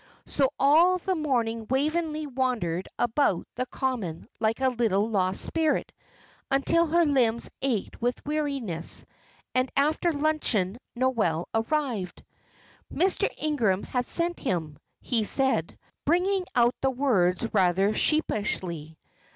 So all the morning Waveney wandered about the common like a little lost spirit, until her limbs ached with weariness; and after luncheon Noel arrived. Mr. Ingram had sent him, he said, bringing out the words rather sheepishly.